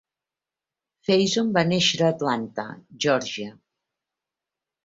Fason va néixer a Atlanta, Georgia.